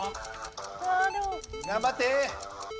頑張って。